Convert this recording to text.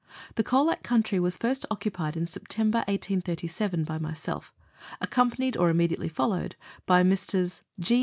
The Colac country was first occupied in September 1837 by myself, accompanied or immediately followed by Messrs.